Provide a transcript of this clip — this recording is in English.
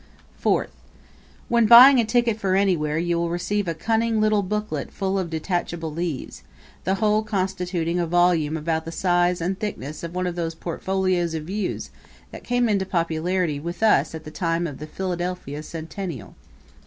Fourth When buying a ticket for anywhere you will receive a cunning little booklet full of detachable leaves, the whole constituting a volume about the size and thickness of one of those portfolios of views that came into popularity with us at the time of the Philadelphia Centennial.